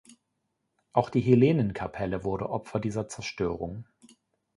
Auch die Helenen-Kapelle wurde Opfer dieser Zerstörung.